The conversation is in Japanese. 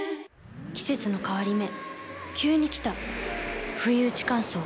季節の変わり目急に来たふいうち乾燥。